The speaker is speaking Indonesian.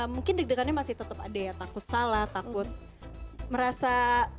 mungkin deg degannya masih tetap ada ya takut salah takut merasa